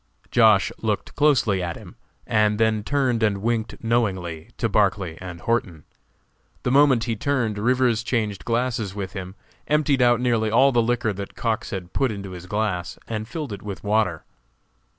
Josh. looked closely at him, and then turned and winked knowingly to Barclay and Horton. The moment he turned, Rivers changed glasses with him, emptied out nearly all the liquor that Cox had put into his glass, and filled it with water.